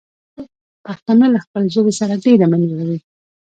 پښتانه له خپلې ژبې سره ډېره مينه لري.